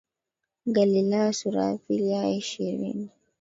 Galilaya sura ya pili aya ya ishirini